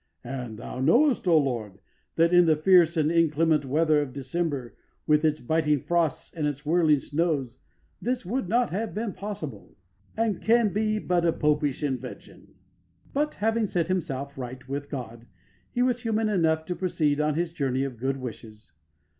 And Thou knowest, O Lord, that in the fierce and inclement weather of December, with its biting frosts and its whirling snows, this would not have been possible, and can be but a Popish invention." But, having set himself right with God, he was human enough to proceed on his journey of good wishes.